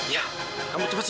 iya kamu tepat sini